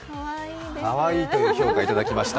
かわいいという評価いただきました。